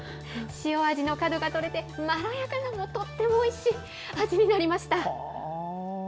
塩味の角が取れて、まろやかなのでとってもおいしい味になりました。